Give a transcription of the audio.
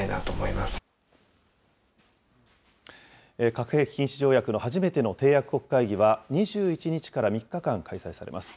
核兵器禁止条約の初めての締約国会議は、２１日から３日間開催されます。